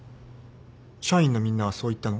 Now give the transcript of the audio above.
社員のみんなはそう言ったの？